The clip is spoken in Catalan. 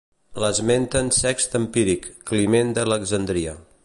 L'esmenten Sext Empíric, Climent d'Alexandria.